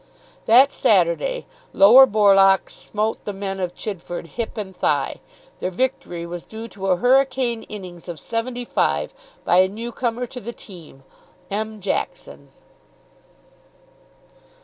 That Saturday, Lower Borlock smote the men of Chidford hip and thigh. Their victory was due to a hurricane innings of seventy five by a new comer to the team, M. Jackson.